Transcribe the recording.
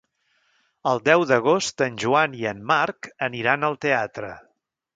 El deu d'agost en Joan i en Marc aniran al teatre.